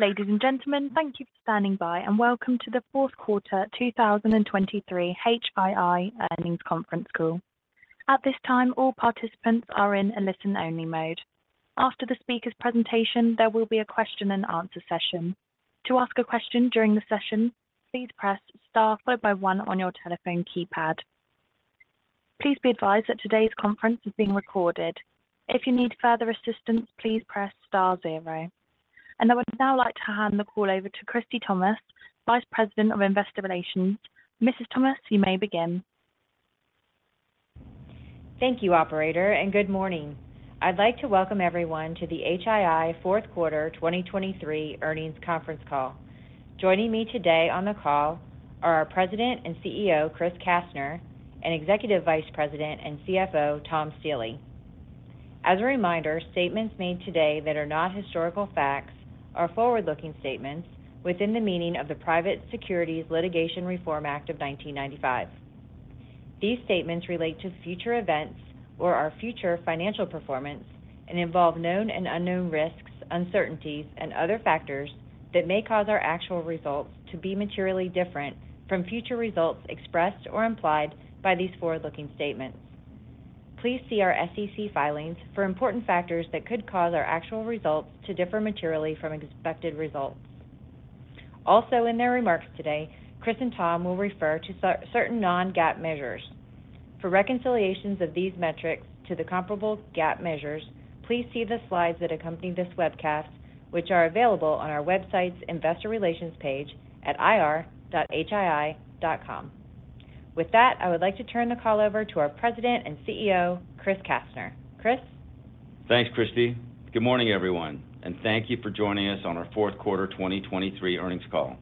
Ladies and gentlemen, thank you for standing by, and welcome to the fourth quarter 2023 HII earnings conference call. At this time, all participants are in a listen-only mode. After the speaker's presentation, there will be a question-and-answer session. To ask a question during the session, please press star followed by one on your telephone keypad. Please be advised that today's conference is being recorded. If you need further assistance, please press Star zero. I would now like to hand the call over to Christie Thomas, Vice President of Investor Relations. Mrs. Thomas, you may begin. Thank you, operator, and good morning. I'd like to welcome everyone to the HII fourth quarter 2023 earnings conference call. Joining me today on the call are our President and CEO, Chris Kastner, and Executive Vice President and CFO, Tom Stiehle. As a reminder, statements made today that are not historical facts are forward-looking statements within the meaning of the Private Securities Litigation Reform Act of 1995. These statements relate to future events or our future financial performance and involve known and unknown risks, uncertainties, and other factors that may cause our actual results to be materially different from future results expressed or implied by these forward-looking statements. Please see our SEC filings for important factors that could cause our actual results to differ materially from expected results. Also, in their remarks today, Chris and Tom will refer to certain Non-GAAP measures. For reconciliations of these metrics to the comparable GAAP measures, please see the slides that accompany this webcast, which are available on our website's Investor Relations page at ir.hii.com. With that, I would like to turn the call over to our President and CEO, Chris Kastner. Chris? Thanks, Christie. Good morning, everyone, and thank you for joining us on our fourth quarter 2023 earnings call.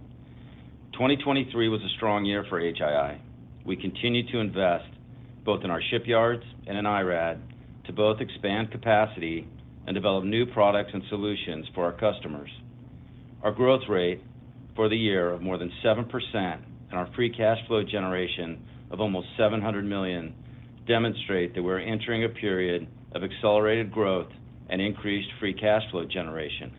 2023 was a strong year for HII. We continued to invest both in our shipyards and in IRAD to both expand capacity and develop new products and solutions for our customers. Our growth rate for the year of more than 7% and our free cash flow generation of almost $700 million demonstrate that we're entering a period of accelerated growth and increased free cash flow generation.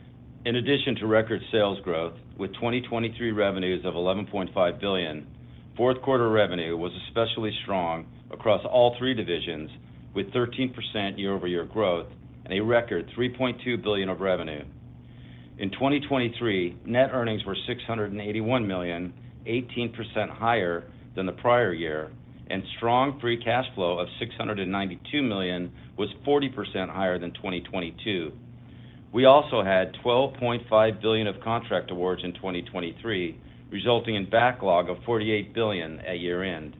In addition to record sales growth, with 2023 revenues of $11.5 billion, fourth quarter revenue was especially strong across all three divisions, with 13% year-over-year growth and a record $3.2 billion of revenue. In 2023, net earnings were $681 million, 18% higher than the prior year, and strong free cash flow of $692 million was 40% higher than 2022. We also had $12.5 billion of contract awards in 2023, resulting in backlog of $48 billion at year-end.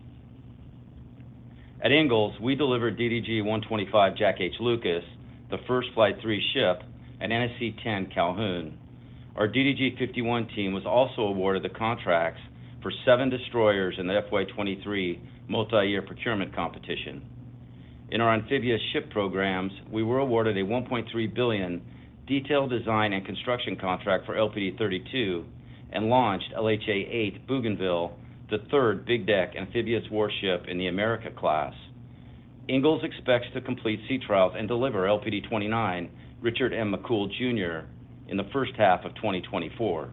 At Ingalls, we delivered DDG-125, Jack H. Lucas, the first Flight III ship at NSC-10 Calhoun. Our DDG-51 team was also awarded the contracts for seven destroyers in the FY 2023 multi-year procurement competition. In our amphibious ship programs, we were awarded a $1.3 billion detailed design and construction contract for LPD-32 and launched LHA-8, Bougainville, the third big-deck amphibious warship in the America class. Ingalls expects to complete sea trials and deliver LPD-29, Richard M. McCool, Jr., in the first half of 2024.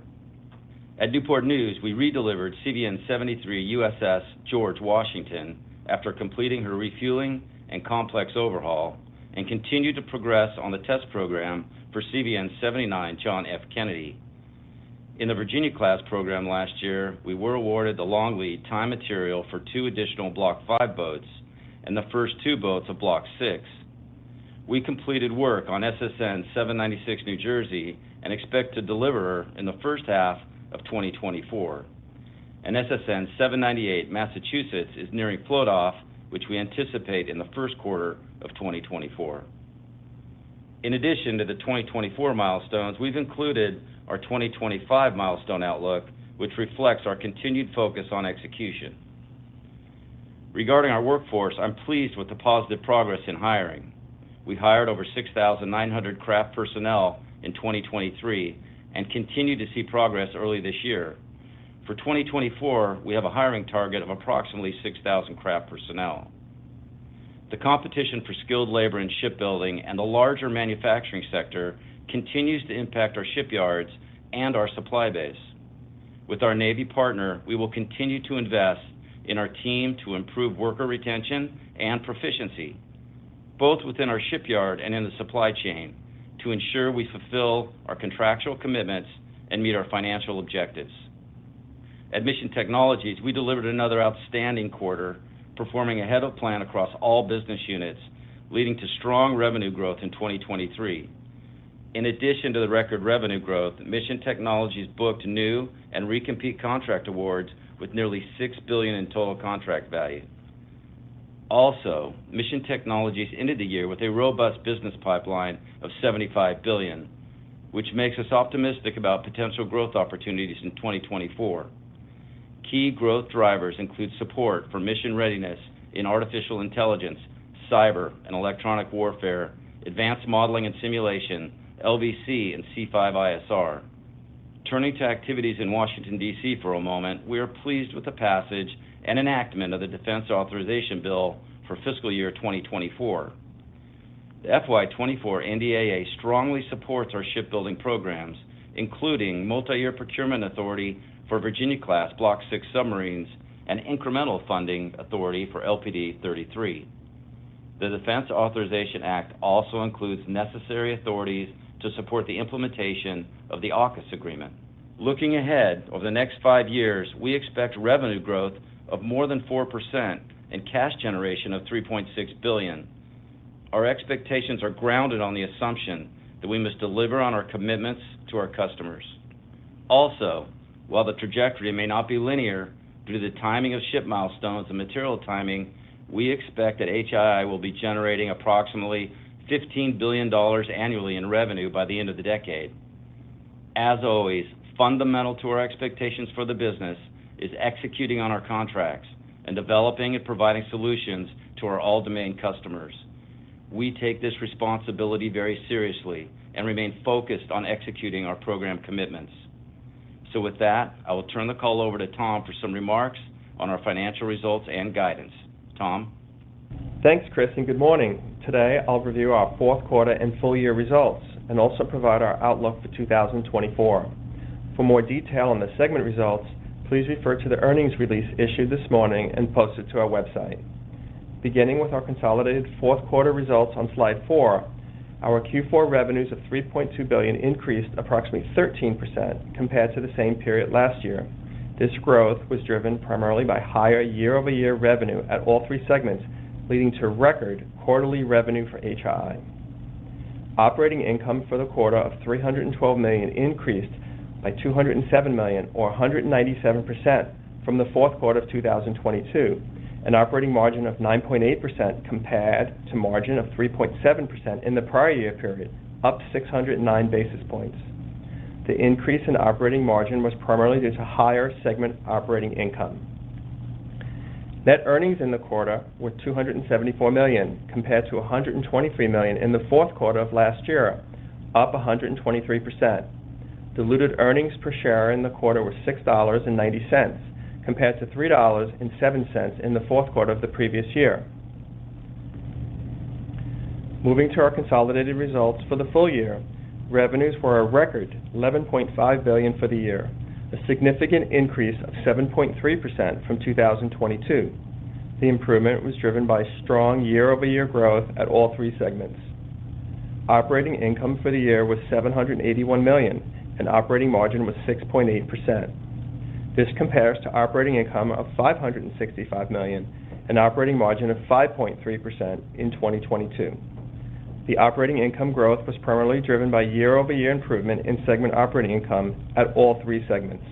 At Newport News, we redelivered CVN-73, USS George Washington after completing her refueling and complex overhaul, and continued to progress on the test program for CVN-79, John F. Kennedy. In the Virginia class program last year, we were awarded the long lead time material for 2 additional Block V boats and the first 2 boats of Block VI. We completed work on SSN-796, New Jersey, and expect to deliver her in the first half of 2024. SSN-798, Massachusetts is nearing float off, which we anticipate in the first quarter of 2024. In addition to the 2024 milestones, we've included our 2025 milestone outlook, which reflects our continued focus on execution. Regarding our workforce, I'm pleased with the positive progress in hiring. We hired over 6,900 craft personnel in 2023 and continued to see progress early this year. For 2024, we have a hiring target of approximately 6,000 craft personnel. The competition for skilled labor in shipbuilding and the larger manufacturing sector continues to impact our shipyards and our supply base. With our Navy partner, we will continue to invest in our team to improve worker retention and proficiency, both within our shipyard and in the supply chain, to ensure we fulfill our contractual commitments and meet our financial objectives. At Mission Technologies, we delivered another outstanding quarter, performing ahead of plan across all business units, leading to strong revenue growth in 2023. In addition to the record revenue growth, Mission Technologies booked new and recompete contract awards with nearly $6 billion in total contract value. Also, Mission Technologies ended the year with a robust business pipeline of $75 billion, which makes us optimistic about potential growth opportunities in 2024. Key growth drivers include support for mission readiness in artificial intelligence, cyber and electronic warfare, advanced modeling and simulation, LVC, and C5ISR. Turning to activities in Washington, D.C., for a moment, we are pleased with the passage and enactment of the Defense Authorization Bill for fiscal year 2024. The FY 2024 NDAA strongly supports our shipbuilding programs, including multi-year procurement authority for Virginia-class Block VI submarines and incremental funding authority for LPD-33. The Defense Authorization Act also includes necessary authorities to support the implementation of the AUKUS agreement. Looking ahead, over the next five years, we expect revenue growth of more than 4% and cash generation of $3.6 billion. Our expectations are grounded on the assumption that we must deliver on our commitments to our customers. Also, while the trajectory may not be linear due to the timing of ship milestones and material timing, we expect that HII will be generating approximately $15 billion annually in revenue by the end of the decade. As always, fundamental to our expectations for the business is executing on our contracts and developing and providing solutions to our all-domain customers. We take this responsibility very seriously and remain focused on executing our program commitments. So with that, I will turn the call over to Tom for some remarks on our financial results and guidance. Tom? Thanks, Chris, and good morning. Today, I'll review our fourth quarter and full year results and also provide our outlook for 2024. For more detail on the segment results, please refer to the earnings release issued this morning and posted to our website. Beginning with our consolidated fourth quarter results on slide four, our Q4 revenues of $3.2 billion increased approximately 13% compared to the same period last year. This growth was driven primarily by higher year-over-year revenue at all three segments, leading to record quarterly revenue for HII. Operating income for the quarter of $312 million increased by $207 million, or 197%, from the fourth quarter of 2022, an operating margin of 9.8% compared to margin of 3.7% in the prior year period, up 609 basis points. The increase in operating margin was primarily due to higher segment operating income. Net earnings in the quarter were $274 million, compared to $123 million in the fourth quarter of last year, up 123%. Diluted earnings per share in the quarter were $6.90, compared to $3.07 in the fourth quarter of the previous year. Moving to our consolidated results for the full year, revenues were a record $11.5 billion for the year, a significant increase of 7.3% from 2022. The improvement was driven by strong year-over-year growth at all three segments. Operating income for the year was $781 million, and operating margin was 6.8%. This compares to operating income of $565 million and operating margin of 5.3% in 2022. The operating income growth was primarily driven by year-over-year improvement in segment operating income at all three segments.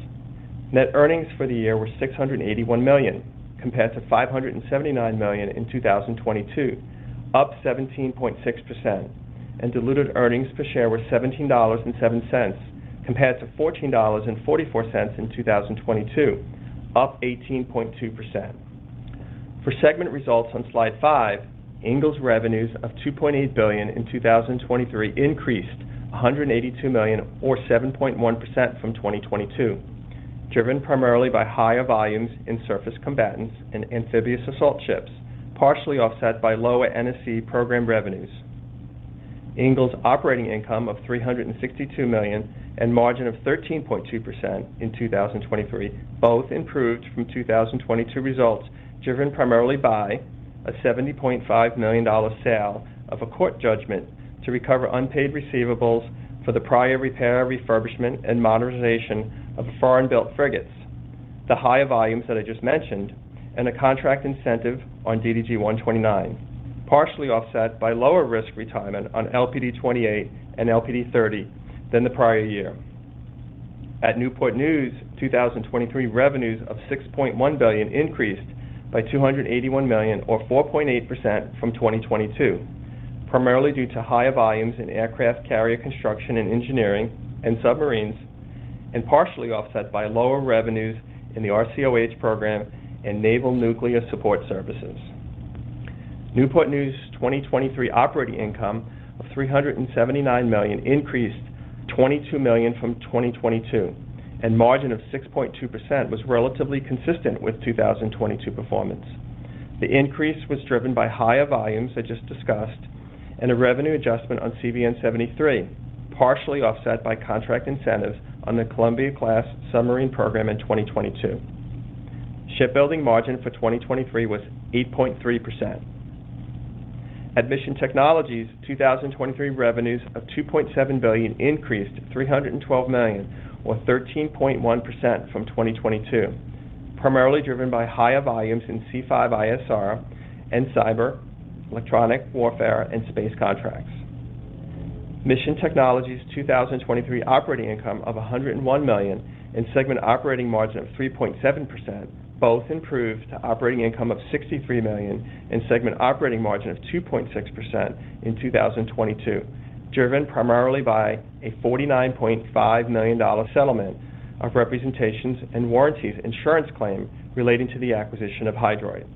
Net earnings for the year were $681 million, compared to $579 million in 2022, up 17.6%, and diluted earnings per share were $17.07, compared to $14.44 in 2022, up 18.2%. For segment results on slide five, Ingalls revenues of $2.8 billion in 2023 increased $182 million or 7.1% from 2022, driven primarily by higher volumes in surface combatants and amphibious assault ships, partially offset by lower NSC program revenues. Ingalls' operating income of $362 million and margin of 13.2% in 2023, both improved from 2022 results, driven primarily by a $70.5 million sale of a court judgment to recover unpaid receivables for the prior repair, refurbishment, and modernization of foreign-built frigates. The higher volumes that I just mentioned and a contract incentive on DDG-129, partially offset by lower risk retirement on LPD-28 and LPD-30 than the prior year. At Newport News, 2023 revenues of $6.1 billion increased by $281 million or 4.8% from 2022, primarily due to higher volumes in aircraft carrier construction and engineering and submarines, and partially offset by lower revenues in the RCOH program and naval nuclear support services. Newport News' 2023 operating income of $379 million increased $22 million from 2022, and margin of 6.2% was relatively consistent with 2022 performance. The increase was driven by higher volumes, I just discussed, and a revenue adjustment on CVN-73, partially offset by contract incentives on the Columbia-class submarine program in 2022. Shipbuilding margin for 2023 was 8.3%. At Mission Technologies, 2023 revenues of $2.7 billion increased $312 million or 13.1% from 2022, primarily driven by higher volumes in C5ISR and cyber, electronic warfare, and space contracts. Mission Technologies' 2023 operating income of $101 million, and segment operating margin of 3.7%, both improved to operating income of $63 million and segment operating margin of 2.6% in 2022, driven primarily by a $49.5 million settlement of representations and warranties insurance claim relating to the acquisition of Hydroid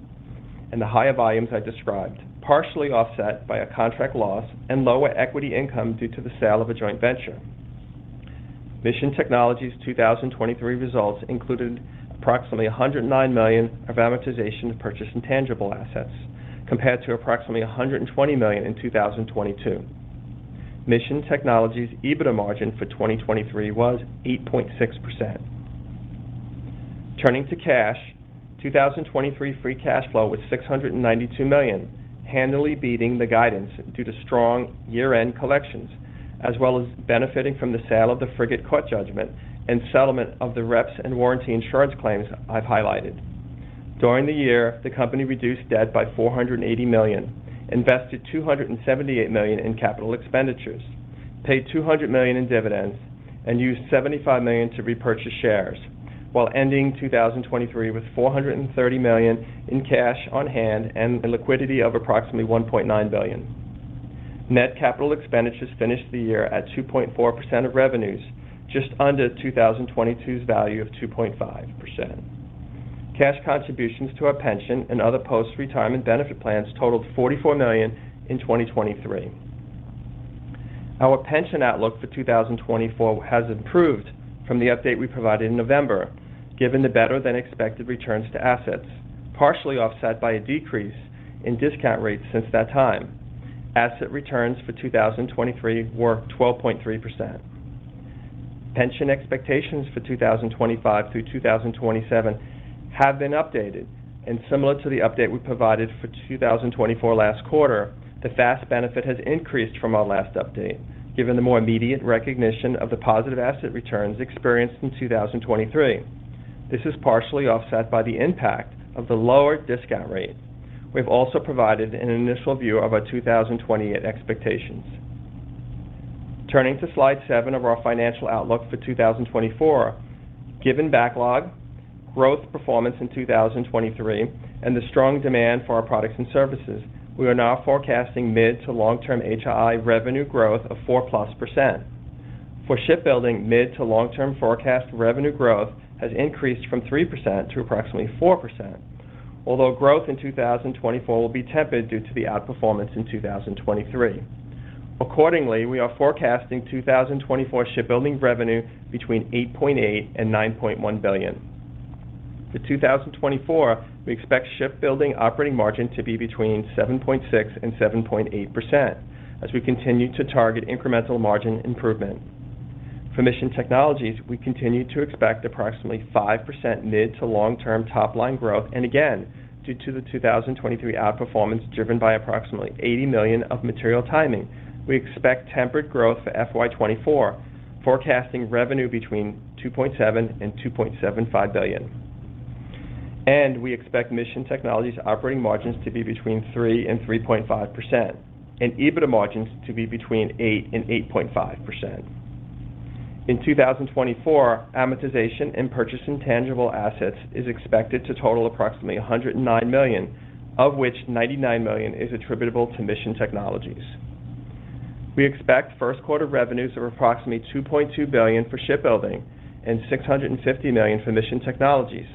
and the higher volumes I described, partially offset by a contract loss and lower equity income due to the sale of a joint venture. Mission Technologies' 2023 results included approximately $109 million of amortization of purchased intangible assets, compared to approximately $120 million in 2022. Mission Technologies' EBITDA margin for 2023 was 8.6%. Turning to cash, 2023 free cash flow was $692 million, handily beating the guidance due to strong year-end collections, as well as benefiting from the sale of the frigate court judgment and settlement of the reps and warranty insurance claims I've highlighted. During the year, the company reduced debt by $480 million, invested $278 million in capital expenditures, paid $200 million in dividends, and used $75 million to repurchase shares, while ending 2023 with $430 million in cash on hand and a liquidity of approximately $1.9 billion. Net capital expenditures finished the year at 2.4% of revenues, just under 2022's value of 2.5%. Cash contributions to our pension and other post-retirement benefit plans totaled $44 million in 2023. Our pension outlook for 2024 has improved from the update we provided in November, given the better-than-expected returns to assets, partially offset by a decrease in discount rates since that time. Asset returns for 2023 were 12.3%. Pension expectations for 2025 through 2027 have been updated, and similar to the update we provided for 2024 last quarter, the net benefit has increased from our last update, given the more immediate recognition of the positive asset returns experienced in 2023. This is partially offset by the impact of the lower discount rate. We've also provided an initial view of our 2028 expectations. Turning to slide seven of our financial outlook for 2024. Given backlog, growth performance in 2023, and the strong demand for our products and services, we are now forecasting mid- to long-term HII revenue growth of 4%+. For shipbuilding, mid- to long-term forecast revenue growth has increased from 3% to approximately 4%, although growth in 2024 will be tepid due to the outperformance in 2023. Accordingly, we are forecasting 2024 shipbuilding revenue between $8.8 billion and $9.1 billion. For 2024, we expect shipbuilding operating margin to be between 7.6% and 7.8% as we continue to target incremental margin improvement. For Mission Technologies, we continue to expect approximately 5% mid- to long-term top-line growth, and again, due to the 2023 outperformance, driven by approximately $80 million of material timing, we expect tempered growth for FY 2024, forecasting revenue $2.7 billion-$2.75 billion. We expect Mission Technologies' operating margins to be 3%-3.5% and EBITDA margins to be 8%-8.5%. In 2024, amortization of purchased intangible assets is expected to total approximately $109 million, of which $99 million is attributable to Mission Technologies. We expect first quarter revenues of approximately $2.2 billion for shipbuilding and $650 million for Mission Technologies,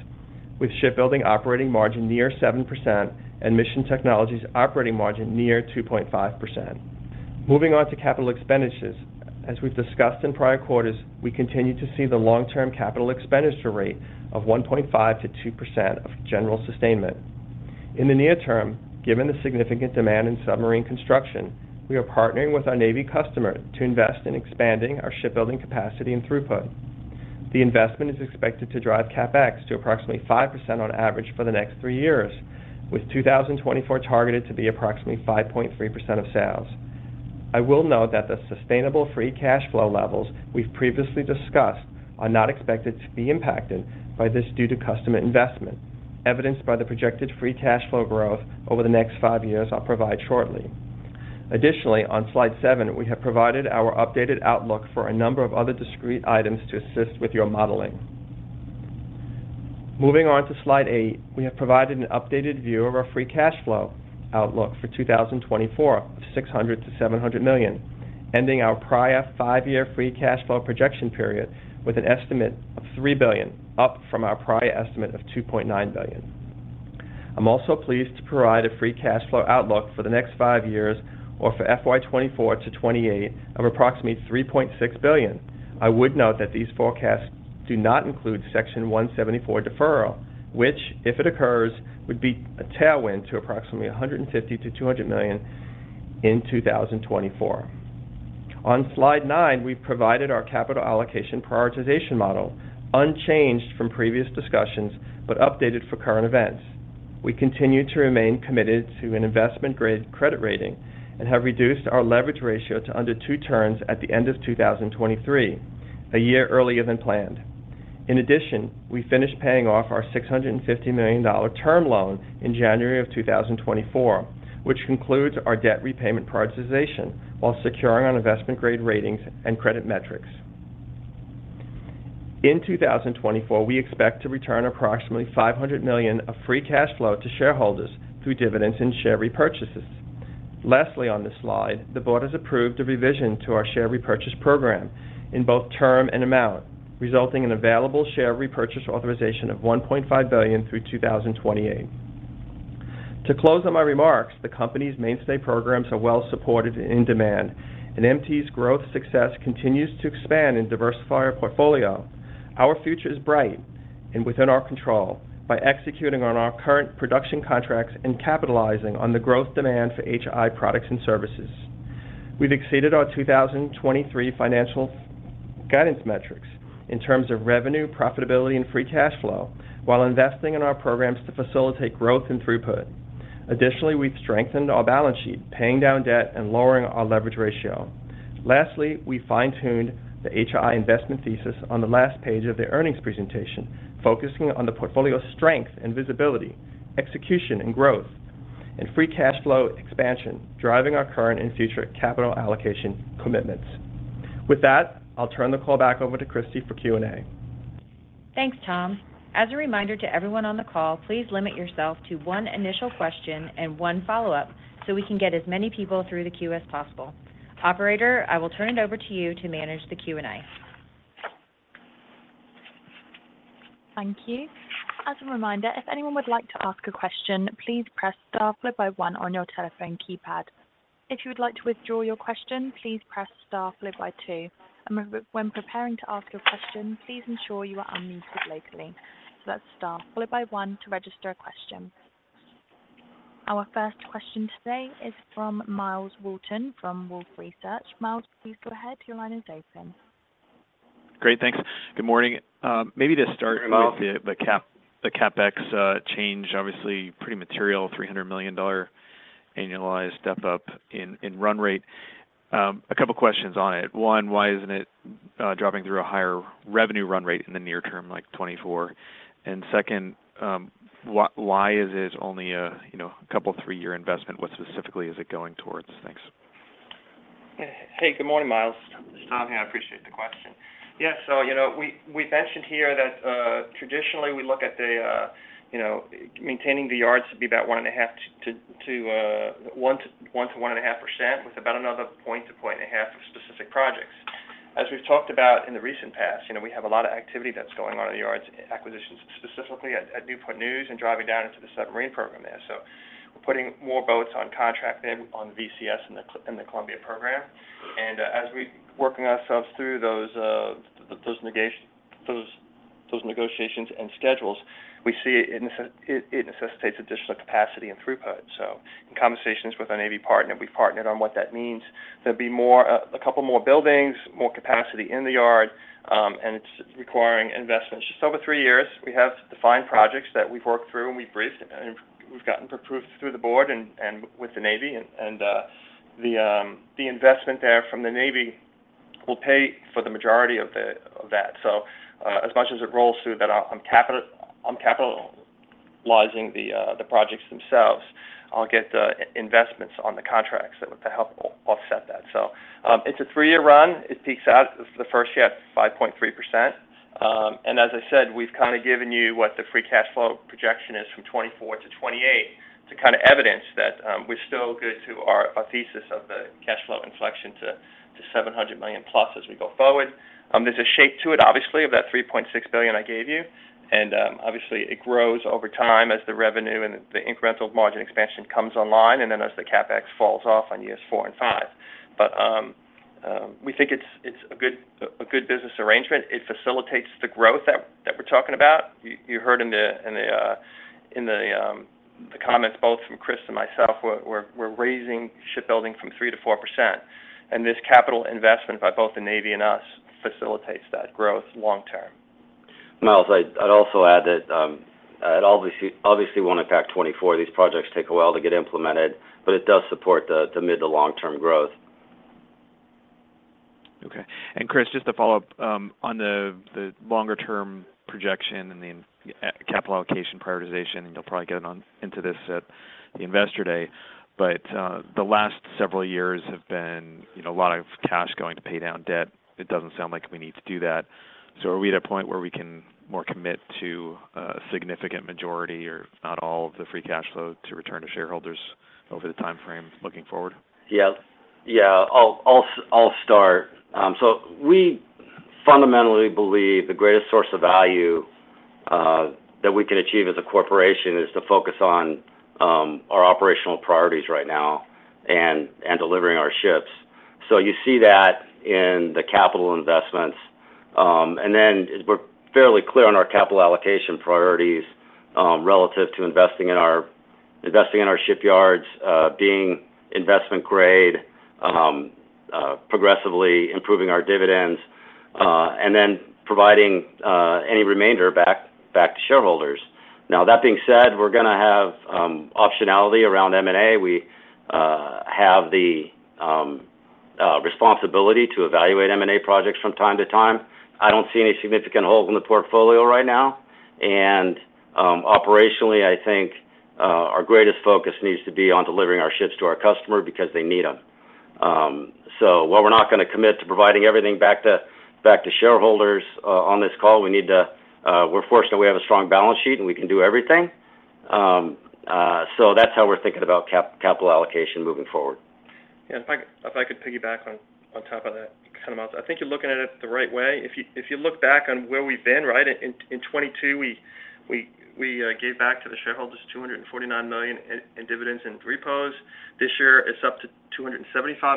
with shipbuilding operating margin near 7% and Mission Technologies' operating margin near 2.5%. Moving on to capital expenditures. As we've discussed in prior quarters, we continue to see the long-term capital expenditure rate of 1.5%-2% of general sustainment. In the near term, given the significant demand in submarine construction, we are partnering with our Navy customer to invest in expanding our shipbuilding capacity and throughput. The investment is expected to drive CapEx to approximately 5% on average for the next three years, with 2024 targeted to be approximately 5.3% of sales. I will note that the sustainable free cash flow levels we've previously discussed are not expected to be impacted by this due to customer investment, evidenced by the projected free cash flow growth over the next five years I'll provide shortly. Additionally, on slide seven, we have provided our updated outlook for a number of other discrete items to assist with your modeling. Moving on to slide eight, we have provided an updated view of our free cash flow outlook for 2024, of $600 million-$700 million, ending our prior five-year free cash flow projection period with an estimate of $3 billion, up from our prior estimate of $2.9 billion. I'm also pleased to provide a free cash flow outlook for the next five years or for FY 2024-2028 of approximately $3.6 billion. I would note that these forecasts do not include Section 174 deferral, which, if it occurs, would be a tailwind to approximately $150 million-$200 million in 2024. On slide nine, we've provided our capital allocation prioritization model, unchanged from previous discussions, but updated for current events. We continue to remain committed to an investment-grade credit rating and have reduced our leverage ratio to under two turns at the end of 2023, a year earlier than planned. In addition, we finished paying off our $650 million term loan in January 2024, which concludes our debt repayment prioritization while securing on investment-grade ratings and credit metrics. In 2024, we expect to return approximately $500 million of free cash flow to shareholders through dividends and share repurchases. Lastly, on this slide, the board has approved a revision to our share repurchase program in both term and amount, resulting in available share repurchase authorization of $1.5 billion through 2028. To close on my remarks, the company's mainstay programs are well supported and in demand, and MT's growth success continues to expand and diversify our portfolio. Our future is bright and within our control by executing on our current production contracts and capitalizing on the growth demand for HI products and services. We've exceeded our 2023 financial guidance metrics in terms of revenue, profitability, and free cash flow, while investing in our programs to facilitate growth and throughput. Additionally, we've strengthened our balance sheet, paying down debt and lowering our leverage ratio. Lastly, we fine-tuned the HI investment thesis on the last page of the earnings presentation, focusing on the portfolio strength and visibility, execution, and growth, and free cash flow expansion, driving our current and future capital allocation commitments. With that, I'll turn the call back over to Christie for Q&A. Thanks, Tom. As a reminder to everyone on the call, please limit yourself to one initial question and one follow-up so we can get as many people through the queue as possible. Operator, I will turn it over to you to manage the Q&A. Thank you. As a reminder, if anyone would like to ask a question, please press star followed by one on your telephone keypad. If you would like to withdraw your question, please press star followed by two. When preparing to ask your question, please ensure you are unmuted locally. So that's star followed by one to register a question. Our first question today is from Myles Walton from Wolfe Research. Myles, please go ahead. Your line is open. Great. Thanks. Good morning. Maybe to start with the CapEx change, obviously pretty material, $300 million annualized step-up in run rate. A couple questions on it. One, why isn't it dropping through a higher revenue run rate in the near term, like 2024? And second, why is it only a, you know, couple, three-year investment? What specifically is it going towards? Thanks. Hey, good morning, Myles. This is Tommy. I appreciate the question. Yeah, so, you know, we mentioned here that, traditionally, we look at the, you know, maintaining the yards to be about 1%-1.5%, with about another 0.5-1.5 of specific projects. As we've talked about in the recent past, you know, we have a lot of activity that's going on in the yards, acquisitions, specifically at Newport News and driving down into the submarine program there. So we're putting more boats on contract in on the VCS and the Columbia program. And, as we're working ourselves through those, those negotiations and schedules, we see it necessitates additional capacity and throughput. So in conversations with our Navy partner, we've partnered on what that means. There'll be more, a couple more buildings, more capacity in the yard, and it's requiring investments. Just over three years, we have defined projects that we've worked through and we've briefed and we've gotten approved through the board and with the Navy, and the investment there from the Navy will pay for the majority of the, of that. So, as much as it rolls through, that I'm capita, I'm capitalizing the, the projects themselves. I'll get the investments on the contracts to help offset that. So, it's a three-year run. It peaks out the first year at 5.3%. And as I said, we've kind of given you what the free cash flow projection is from 2024 to 2028 to kind of evidence that, we're still good to our, our thesis of the cash flow inflection to, to $700 million+ as we go forward. There's a shape to it, obviously, of that $3.6 billion I gave you, and, obviously, it grows over time as the revenue and the incremental margin expansion comes online, and then as the CapEx falls off on years four and 5. But, we think it's, it's a good, a good business arrangement. It facilitates the growth that, that we're talking about. You heard in the comments both from Chris and myself, we're raising shipbuilding from 3%-4%, and this capital investment by both the Navy and us facilitates that growth long term. Myles, I'd also add that, it obviously won't impact 2024. These projects take a while to get implemented, but it does support the mid to long-term growth. Okay. Chris, just to follow up on the longer-term projection and the capital allocation prioritization, and you'll probably get on into this at the Investor Day, but the last several years have been, you know, a lot of cash going to pay down debt. It doesn't sound like we need to do that. So are we at a point where we can more commit to a significant majority or not all of the free cash flow to return to shareholders over the time frame looking forward? Yeah. Yeah, I'll start. So we fundamentally believe the greatest source of value that we can achieve as a corporation is to focus on our operational priorities right now and delivering our ships. So you see that in the capital investments. And then we're fairly clear on our capital allocation priorities relative to investing in our shipyards, being investment grade, progressively improving our dividends, and then providing any remainder back to shareholders. Now, that being said, we're going to have optionality around M&A. We have the responsibility to evaluate M&A projects from time to time. I don't see any significant holes in the portfolio right now, and operationally, I think our greatest focus needs to be on delivering our ships to our customer because they need them. So while we're not going to commit to providing everything back to shareholders on this call, we need to, we're fortunate we have a strong balance sheet, and we can do everything. So that's how we're thinking about capital allocation moving forward. Yeah, if I could piggyback on top of that, kind of, I think you're looking at it the right way. If you look back on where we've been, right? In 2022, we gave back to the shareholders $249 million in dividends and repos. This year, it's up to $275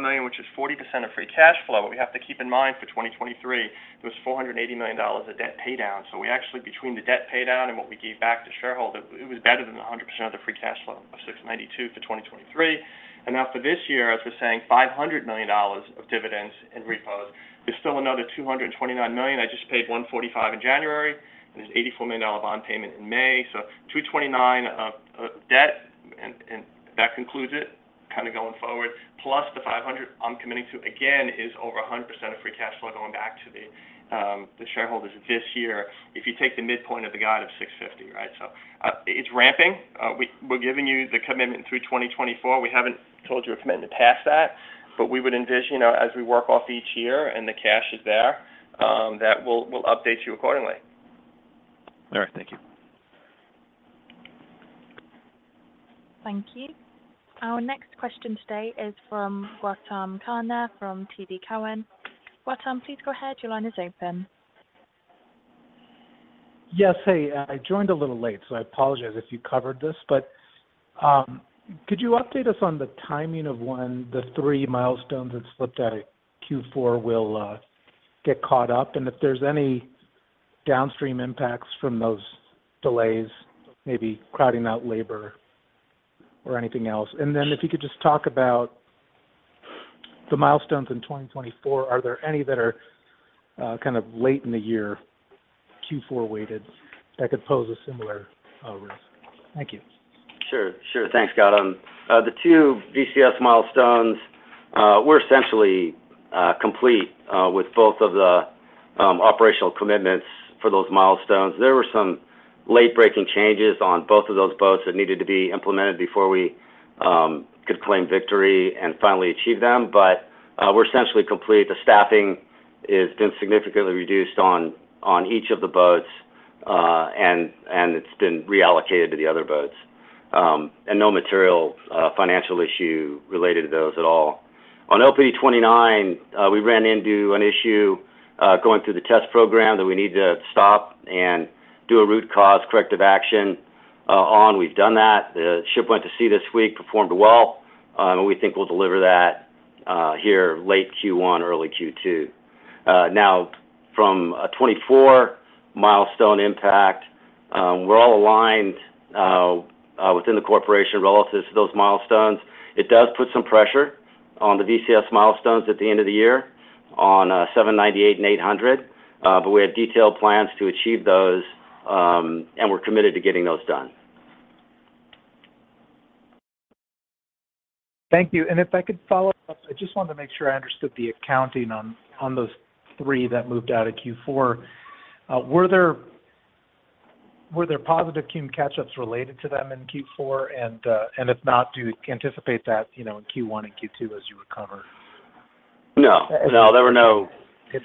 million, which is 40% of free cash flow. But we have to keep in mind, for 2023, it was $480 million of debt paydown. So we actually, between the debt paydown and what we gave back to shareholder, it was better than 100% of the free cash flow of $692 million for 2023. And now for this year, as we're saying, $500 million of dividends and repos. There's still another $229 million. I just paid $145 million in January, and there's $84 million bond payment in May. So $229 million of debt, and that concludes it kind of going forward, plus the $500 million I'm committing to, again, is over 100% of free cash flow going back to the shareholders this year. If you take the midpoint of the guide of $650 million, right? So, it's ramping. We're giving you the commitment through 2024. We haven't told you a commitment to pass that, but we would envision, as we work off each year and the cash is there, that we'll update you accordingly. All right, thank you. Thank you. Our next question today is from Gautam Khanna from TD Cowen. Gautam, please go ahead. Your line is open. Yes. Hey, I joined a little late, so I apologize if you covered this, but could you update us on the timing of when the three milestones that slipped out at Q4 will get caught up? And if there's any downstream impacts from those delays, maybe crowding out labor or anything else. And then if you could just talk about the milestones in 2024, are there any that are kind of late in the year, Q4 weighted, that could pose a similar risk? Thank you. Sure, sure. Thanks, Gautam. The two VCS milestones, we're essentially complete with both of the operational commitments for those milestones. There were some late-breaking changes on both of those boats that needed to be implemented before we could claim victory and finally achieve them. But, we're essentially complete. The staffing has been significantly reduced on each of the boats, and it's been reallocated to the other boats. And no material financial issue related to those at all. On LPD-29, we ran into an issue going through the test program that we need to stop and do a root cause, corrective action on. We've done that. The ship went to sea this week, performed well, and we think we'll deliver that here, late Q1, early Q2. Now, from a 2024 milestone impact, we're all aligned within the corporation relative to those milestones. It does put some pressure on the VCS milestones at the end of the year on 798 and 800, but we have detailed plans to achieve those, and we're committed to getting those done. Thank you. If I could follow up, I just wanted to make sure I understood the accounting on those three that moved out of Q4. Were there positive cum catch-ups related to them in Q4? And if not, do you anticipate that, you know, in Q1 and Q2 as you recover? No, no, there were no- It's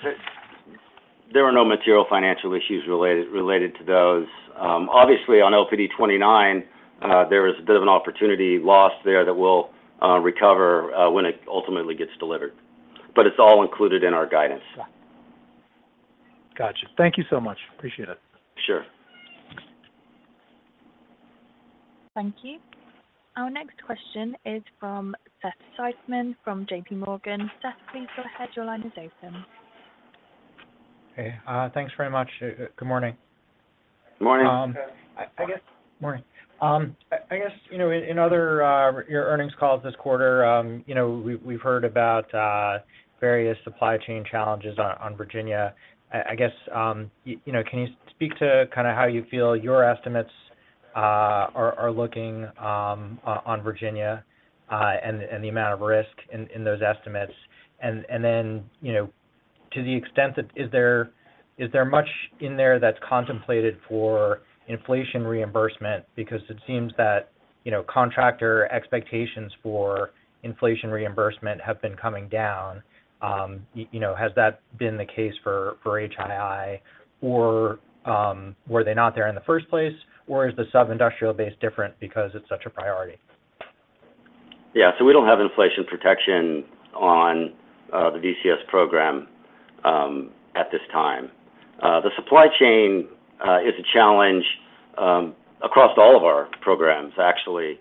a- There were no material financial issues related to those. Obviously, on LPD-29, there was a bit of an opportunity lost there that will recover when it ultimately gets delivered, but it's all included in our guidance. Gotcha. Thank you so much. Appreciate it. Sure. Thank you. Our next question is from Seth Seifman, from JP Morgan. Seth, please go ahead. Your line is open. Hey, thanks very much. Good morning. Good morning. Good morning. I guess, you know, in other of your earnings calls this quarter, you know, we've heard about various supply chain challenges on Virginia. I guess, you know, can you speak to kind of how you feel your estimates are looking on Virginia and the amount of risk in those estimates? And then, you know, to the extent that is there, is there much in there that's contemplated for inflation reimbursement? Because it seems that, you know, contractor expectations for inflation reimbursement have been coming down. You know, has that been the case for HII? Or were they not there in the first place, or is the submarine industrial base different because it's such a priority? Yeah. So we don't have inflation protection on the VCS program at this time. The supply chain is a challenge across all of our programs, actually.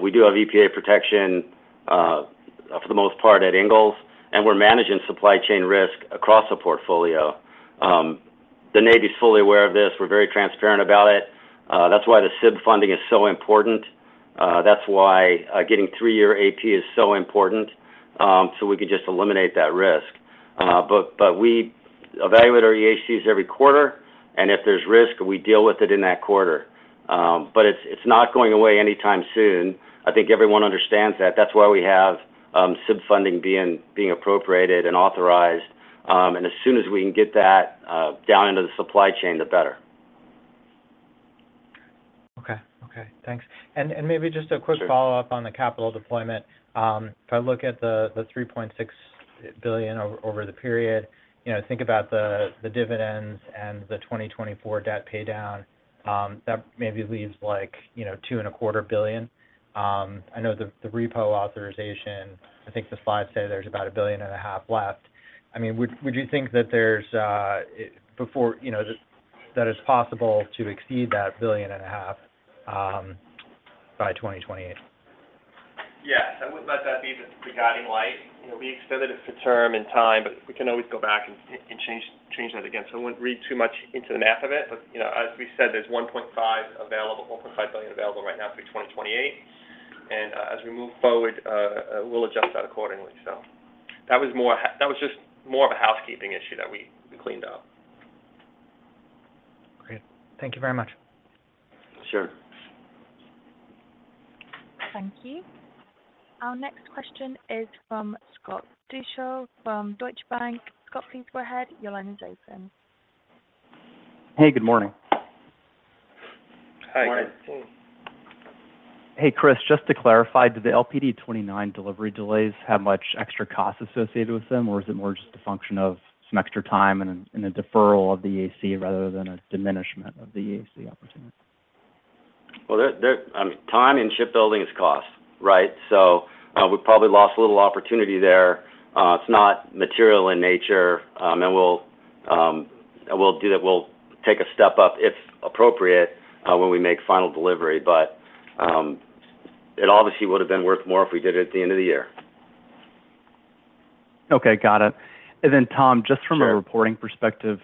We do have EPA protection for the most part at Ingalls, and we're managing supply chain risk across the portfolio. The Navy is fully aware of this. We're very transparent about it. That's why the SIB funding is so important. That's why getting three-year AP is so important, so we could just eliminate that risk. But we evaluate our EACs every quarter, and if there's risk, we deal with it in that quarter. But it's not going away anytime soon. I think everyone understands that. That's why we have SIB funding being appropriated and authorized. As soon as we can get that down into the supply chain, the better. Okay. Okay, thanks. And maybe just a quick- Sure... follow-up on the capital deployment. If I look at the $3.6-... billion over, over the period. You know, think about the, the dividends and the 2024 debt pay down, that maybe leaves like, you know, $2.25 billion. I know the, the repo authorization, I think the slides say there's about $1.5 billion left. I mean, would, would you think that there's, before, you know, that it's possible to exceed that $1.5 billion, by 2028? Yes, I would let that be the guiding light. You know, we extended it to term and time, but we can always go back and change that again. So I wouldn't read too much into the math of it, but, you know, as we said, there's 1.5 available, $0.5 billion available right now through 2028, and as we move forward, we'll adjust that accordingly. So that was just more of a housekeeping issue that we cleaned up. Great. Thank you very much. Sure. Thank you. Our next question is from Scott Deuschle from Deutsche Bank. Scott, please go ahead. Your line is open. Hey, good morning. Hi. Morning. Hey, Chris, just to clarify, do the LPD-29 delivery delays have much extra cost associated with them, or is it more just a function of some extra time and a deferral of the AC, rather than a diminishment of the AC opportunity? Well, I mean, time and shipbuilding is cost, right? So, we probably lost a little opportunity there. It's not material in nature, and we'll do that. We'll take a step up, if appropriate, when we make final delivery. But, it obviously would have been worth more if we did it at the end of the year. Okay. Got it. And then, Tom- Sure. Just from a reporting perspective,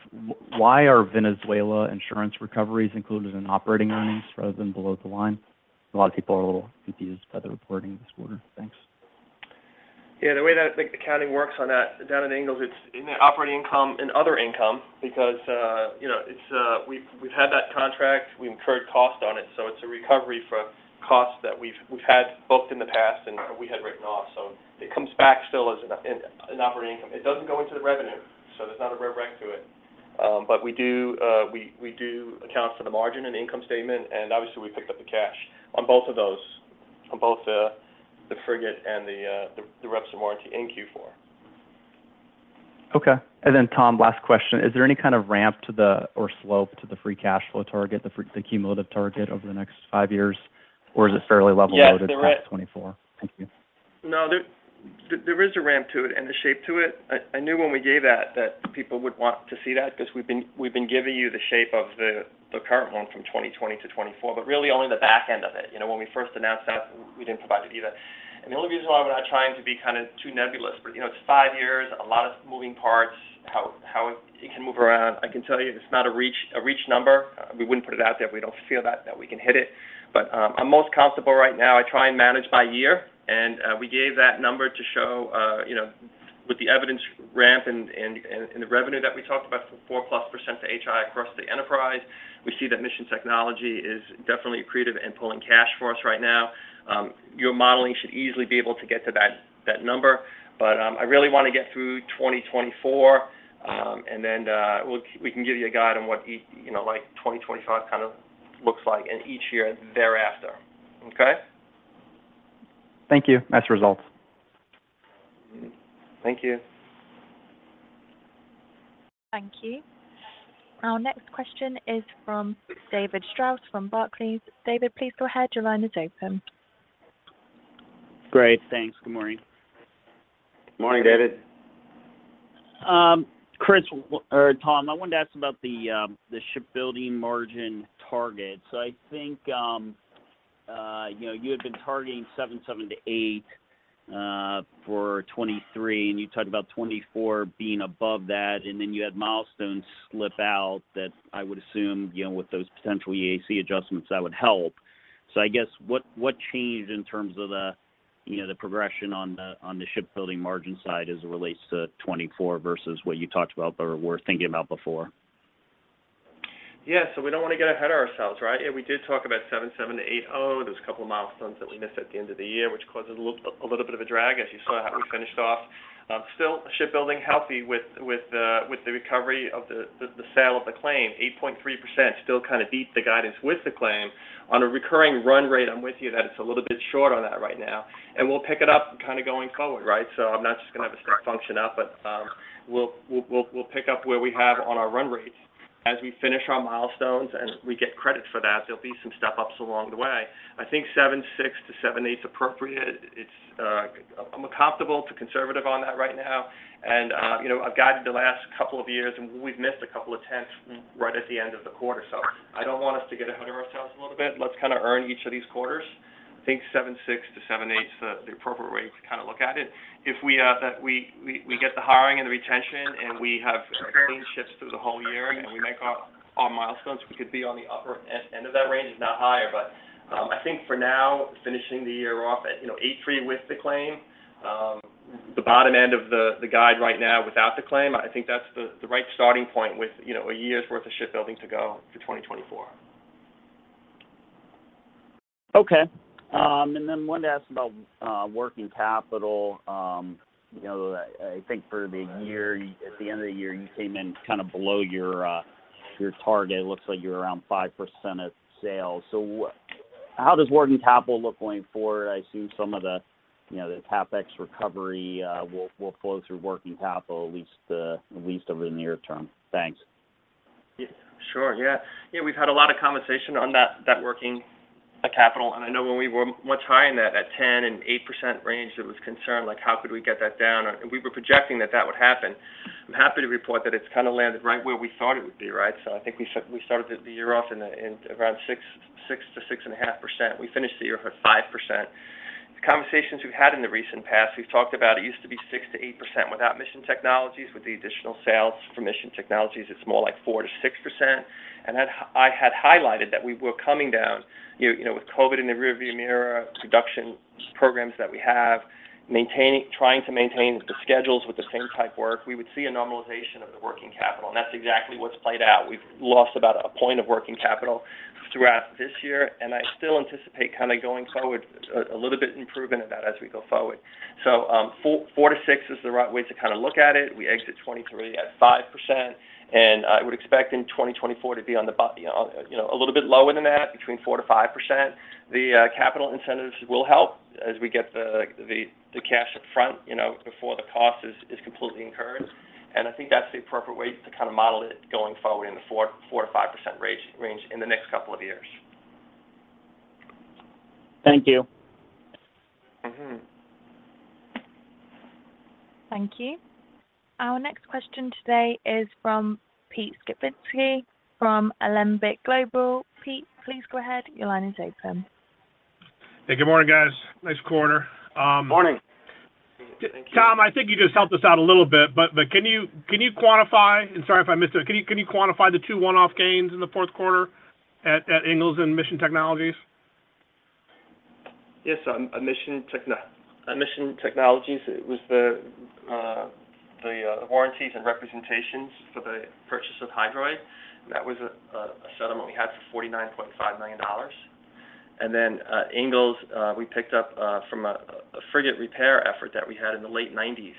why are Venezuela insurance recoveries included in operating earnings rather than below the line? A lot of people are a little confused by the reporting this quarter. Thanks. Yeah, the way that I think the accounting works on that, down in Ingalls, it's in the operating income and other income because, you know, it's, we've had that contract, we've incurred cost on it, so it's a recovery for costs that we've had booked in the past and we had written off. So it comes back still as an, in, an operating income. It doesn't go into the revenue, so there's not a rev rec to it. But we do, we do account for the margin and income statement, and obviously, we picked up the cash on both of those, on both the frigate and the reps and warranty in Q4. Okay. And then, Tom, last question. Is there any kind of ramp to the, or slope to the free cash flow target, the free—the cumulative target over the next five years, or is it fairly level loaded? Yes, there are- 2024? Thank you. No, there is a ramp to it and a shape to it. I knew when we gave that, that people would want to see that because we've been giving you the shape of the current one from 2020 to 2024, but really only the back end of it. You know, when we first announced that, we didn't provide it either. And the only reason why we're not trying to be kind of too nebulous, but, you know, it's 5 years, a lot of moving parts, how it can move around. I can tell you it's not a reach number. We wouldn't put it out there if we don't feel that we can hit it. But, I'm most comfortable right now. I try and manage by year, and we gave that number to show, you know, with the EBITDA ramp and the revenue that we talked about, 4%+ to HII across the enterprise. We see that Mission Technologies is definitely accretive and pulling cash for us right now. Your modeling should easily be able to get to that number. But, I really want to get through 2024, and then we'll—we can give you a guide on what, you know, like, 2025 kind of looks like and each year thereafter. Okay? Thank you. Nice results. Thank you. Thank you. Our next question is from David Strauss from Barclays. David, please go ahead. Your line is open. Great. Thanks. Good morning. Morning, David. Chris, or Tom, I wanted to ask about the shipbuilding margin target. So I think, you know, you had been targeting 7.7%-8% for 2023, and you talked about 2024 being above that, and then you had milestones slip out that I would assume, you know, with those potential EAC adjustments, that would help. So I guess, what changed in terms of the, you know, the progression on the shipbuilding margin side as it relates to 2024 versus what you talked about or were thinking about before? Yeah, so we don't want to get ahead of ourselves, right? And we did talk about 77 to 80. There was a couple of milestones that we missed at the end of the year, which caused a little, a little bit of a drag, as you saw how we finished off. Still, shipbuilding healthy with the recovery of the sale of the claim, 8.3% still kind of beat the guidance with the claim. On a recurring run rate, I'm with you that it's a little bit short on that right now, and we'll pick it up kind of going forward, right? So I'm not just going to have a step function up, but we'll pick up where we have on our run rates. As we finish our milestones and we get credit for that, there'll be some step ups along the way. I think 7.6-7.8 is appropriate. It's, I'm comfortable to conservative on that right now, and, you know, I've guided the last couple of years, and we've missed a couple of tenths right at the end of the quarter, so I don't want us to get ahead of ourselves a little bit. Let's kind of earn each of these quarters. I think 7.6-7.8 is the appropriate way to kind of look at it. If we get the hiring and the retention, and we have clean shifts through the whole year, and we make our milestones, we could be on the upper end of that range, if not higher. But, I think for now, finishing the year off at, you know, 83 with the claim, the bottom end of the guide right now without the claim, I think that's the right starting point with, you know, a year's worth of shipbuilding to go to 2024. Okay. And then wanted to ask about working capital. You know, I think for the year, at the end of the year, you came in kind of below your target. It looks like you're around 5% of sales. So, how does working capital look going forward? I assume some of the, you know, the CapEx recovery will flow through working capital, at least over the near term. Thanks. Yeah, sure. Yeah. Yeah, we've had a lot of conversation on that working capital, and I know when we were much higher in that, at 10% and 8% range, there was concern, like, how could we get that down? And we were projecting that that would happen. I'm happy to report that it's kind of landed right where we thought it would be, right? So I think we started the year off in around 6%-6.5%. We finished the year at 5%. The conversations we've had in the recent past, we've talked about it used to be 6%-8% without Mission Technologies. With the additional sales for Mission Technologies, it's more like 4%-6%. And that I had highlighted that we were coming down, you know, with COVID in the rearview mirror, production programs that we have, maintaining, trying to maintain the schedules with the same type work, we would see a normalization of the working capital, and that's exactly what's played out. We've lost about a point of working capital throughout this year, and I still anticipate kind of going forward, a little bit improvement in that as we go forward. So, four to six is the right way to kind of look at it. We exit 2023 at 5%, and I would expect in 2024 to be on the bo- you know, a little bit lower than that, between 4%-5%. The capital incentives will help as we get the cash up front, you know, before the cost is completely incurred. I think that's the appropriate way to kind of model it going forward in the 4%-5% range in the next couple of years. Thank you. Mm-hmm. Thank you. Our next question today is from Pete Skibitski from Alembic Global. Pete, please go ahead. Your line is open. Hey, good morning, guys. Nice quarter. Morning. Tom, I think you just helped us out a little bit, but can you quantify, and sorry if I missed it, can you quantify the two one-off gains in the fourth quarter at Ingalls and Mission Technologies? Yes, at Mission Technologies, it was the warranties and representations for the purchase of Hydroid. That was a settlement we had for $49.5 million. And then, Ingalls, we picked up from a frigate repair effort that we had in the late 1990s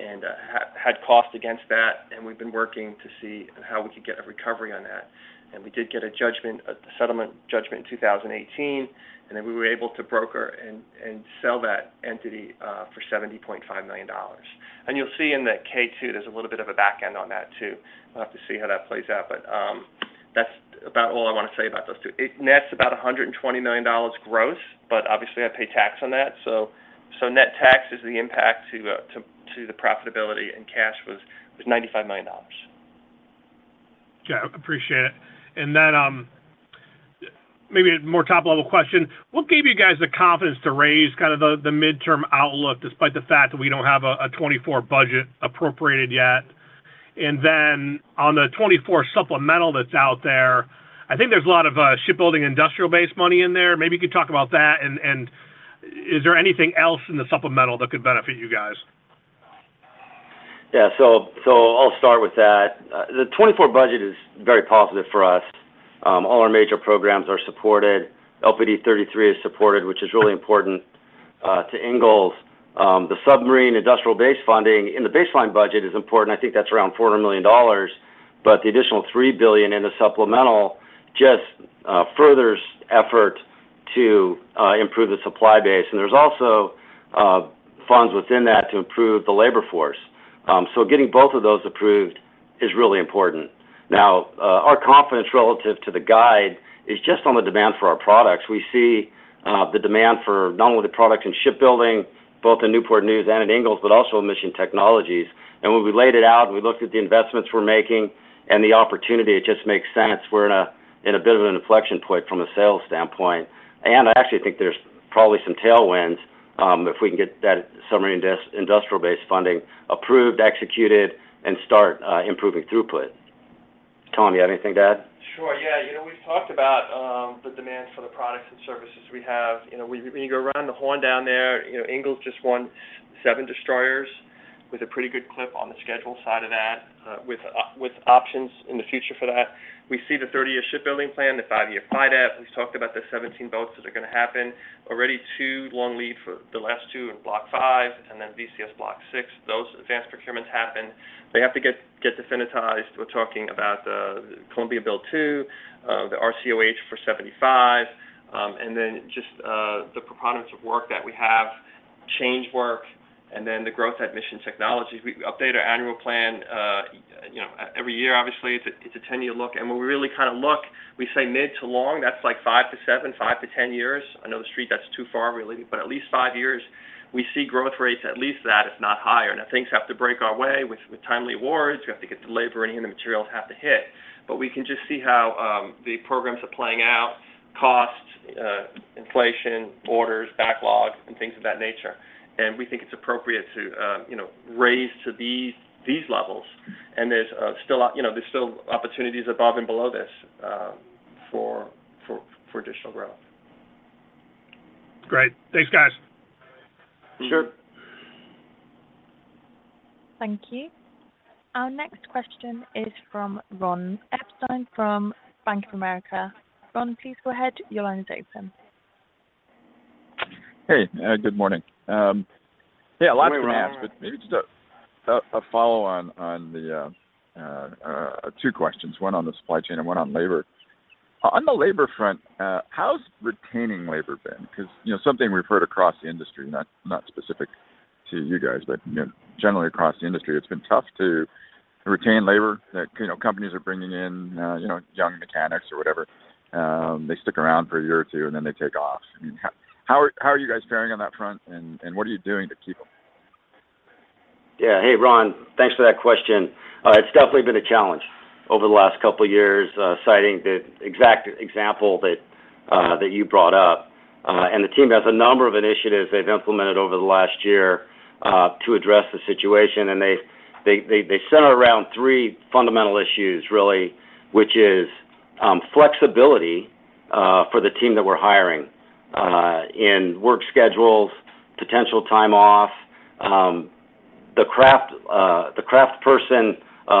and had cost against that, and we've been working to see how we could get a recovery on that. And we did get a judgment, a settlement judgment in 2018, and then we were able to broker and sell that entity for $70.5 million. And you'll see in the 10-K, there's a little bit of a back end on that too. I'll have to see how that plays out, but that's about all I want to say about those two. It nets about $120 million gross, but obviously, I pay tax on that. So, net tax is the impact to the profitability, and cash was $95 million. Yeah, I appreciate it. And then, maybe a more top-level question: What gave you guys the confidence to raise kind of the, the midterm outlook, despite the fact that we don't have a 2024 budget appropriated yet? And then on the 2024 supplemental that's out there, I think there's a lot of shipbuilding industrial-based money in there. Maybe you could talk about that, and is there anything else in the supplemental that could benefit you guys? Yeah, so, so I'll start with that. The 2024 budget is very positive for us. All our major programs are supported. LPD-33 is supported, which is really important to Ingalls. The submarine industrial base funding in the baseline budget is important. I think that's around $400 million, but the additional $3 billion in the supplemental just furthers effort to improve the supply base. And there's also funds within that to improve the labor force. So getting both of those approved is really important. Now, our confidence relative to the guide is just on the demand for our products. We see the demand for not only the products in shipbuilding, both in Newport News and in Ingalls, but also in Mission Technologies. When we laid it out and we looked at the investments we're making and the opportunity, it just makes sense. We're in a bit of an inflection point from a sales standpoint, and I actually think there's probably some tailwinds if we can get that submarine industrial base funding approved, executed, and start improving throughput. Tom, you have anything to add? Sure, yeah. You know, we've talked about the demand for the products and services we have. You know, we go around the horn down there, you know, Ingalls just won 7 destroyers with a pretty good clip on the schedule side of that, with options in the future for that. We see the 30-year shipbuilding plan, the five-year FYDP. We've talked about the 17 boats that are gonna happen. Already 2 long lead for the last 2 in Block V and then VCS Block VI. Those advanced procurements happen. They have to get definitized. We're talking about the Columbia Build 2, the RCOH for 75, and then just the preponderance of work that we have, change work, and then the growth at Mission Technologies. We update our annual plan, you know, every year, obviously. It's a 10-year look, and when we really kind of look, we say mid to long, that's like 5-7, 5-10 years. I know the Street, that's too far, really, but at least 5 years, we see growth rates at least that, if not higher. Now, things have to break our way with timely awards. We have to get the labor in, and the materials have to hit. But we can just see how the programs are playing out, costs, inflation, orders, backlogs, and things of that nature. And we think it's appropriate to, you know, raise to these levels, and there's still, you know, opportunities above and below this for additional growth. Great. Thanks, guys. Sure. Thank you. Our next question is from Ron Epstein from Bank of America. Ron, please go ahead. Your line is open.... Hey, good morning. Yeah, a lot to ask, but maybe just a follow on, on the two questions, one on the supply chain and one on labor. On the labor front, how's retaining labor been? 'Cause, you know, something we've heard across the industry, not specific to you guys, but, you know, generally across the industry, it's been tough to retain labor. That, you know, companies are bringing in, you know, young mechanics or whatever. They stick around for a year or two, and then they take off. I mean, how are you guys faring on that front, and what are you doing to keep them? Yeah. Hey, Ron, thanks for that question. It's definitely been a challenge over the last couple of years, citing the exact example that you brought up. And the team has a number of initiatives they've implemented over the last year to address the situation, and they center around three fundamental issues, really, which is flexibility for the team that we're hiring in work schedules, potential time off. The craftsperson,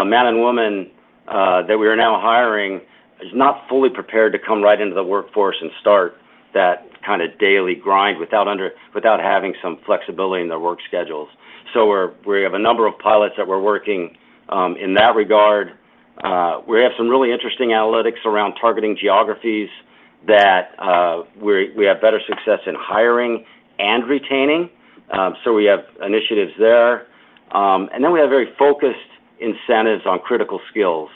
man, and woman that we are now hiring is not fully prepared to come right into the workforce and start that kind of daily grind without having some flexibility in their work schedules. So we have a number of pilots that we're working in that regard. We have some really interesting analytics around targeting geographies that we have better success in hiring and retaining. So we have initiatives there. And then we have very focused incentives on critical skills.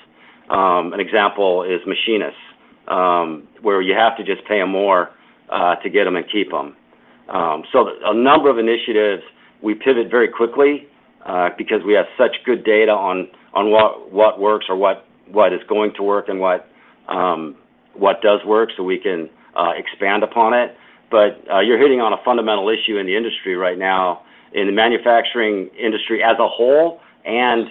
An example is machinists, where you have to just pay them more to get them and keep them. So a number of initiatives, we pivot very quickly because we have such good data on what works or what is going to work and what does work, so we can expand upon it. But, you're hitting on a fundamental issue in the industry right now, in the manufacturing industry as a whole, and,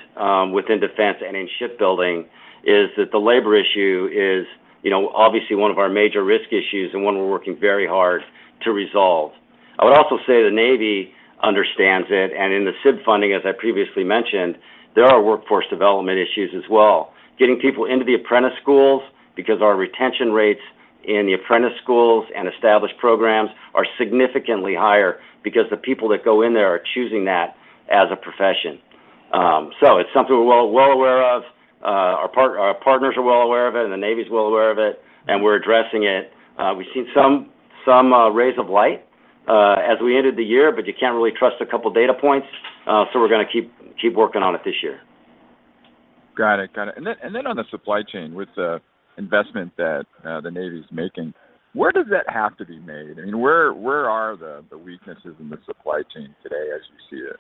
within defense and in shipbuilding, is that the labor issue is, you know, obviously one of our major risk issues and one we're working very hard to resolve. I would also say the Navy understands it, and in the SIB funding, as I previously mentioned, there are workforce development issues as well. Getting people into the apprentice schools because our retention rates in the apprentice schools and established programs are significantly higher because the people that go in there are choosing that as a profession. So it's something we're well, well aware of. Our partners are well aware of it, and the Navy is well aware of it, and we're addressing it. We've seen some rays of light as we ended the year, but you can't really trust a couple data points, so we're going to keep working on it this year. Got it. Got it. And then on the supply chain, with the investment that the Navy is making, where does that have to be made? I mean, where are the weaknesses in the supply chain today as you see it?